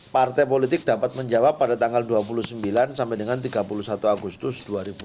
partai politik dapat menjawab pada tanggal dua puluh sembilan sampai dengan tiga puluh satu agustus dua ribu dua puluh